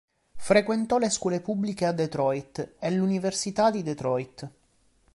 Frequentò le scuole pubbliche a Detroit e l'Università di Detroit.